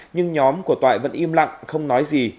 nhưng nhóm của toại vẫn im lặng không nói gì